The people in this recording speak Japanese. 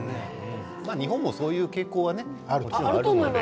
日本もそういう傾向はもちろんあるので。